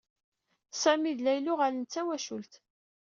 Sami d Layla uɣalen d tawacult.